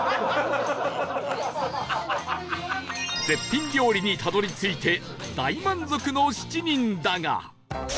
絶品料理にたどり着いて大満足の７人だが